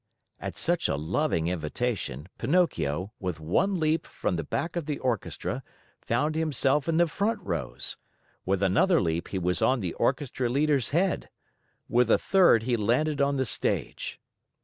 At such a loving invitation, Pinocchio, with one leap from the back of the orchestra, found himself in the front rows. With another leap, he was on the orchestra leader's head. With a third, he landed on the stage.